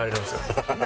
ハハハハ！